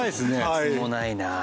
とてつもないな。